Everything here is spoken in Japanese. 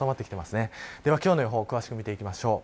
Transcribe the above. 今日の予報詳しく見ていきます。